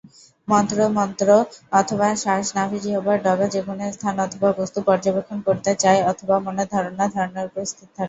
মন মন্ত্র, অথবা শ্বাস/নাভি/জিহ্বার ডগা/যেকোন স্থান, অথবা বস্তু পর্যবেক্ষণ করতে চায়, অথবা মনের ধারণা/ধারণার উপর স্থির থাকে।